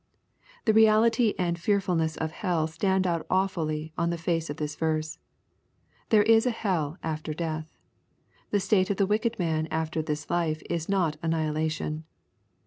The reality aud fearfulness of hell stand out awfully on the face of this verse. There is a hell after, death. The state of the wicked man after this life is not annihilation.